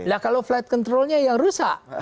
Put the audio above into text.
lah kalau flight controlnya yang rusak